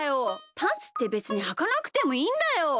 パンツってべつにはかなくてもいいんだよ。